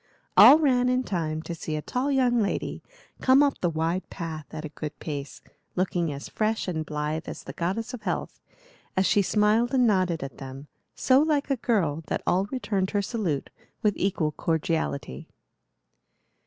All ran in time to see a tall young lady come up the wide path at a good pace, looking as fresh and blithe as the goddess of health, as she smiled and nodded at them, so like a girl that all returned her salute with equal cordiality.